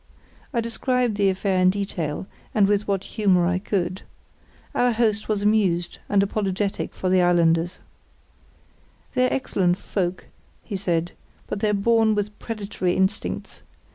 I described the affair in detail, and with what humour I could. Our host was amused, and apologetic for the islanders. "They're excellent folk," he said, "but they're born with predatory instincts.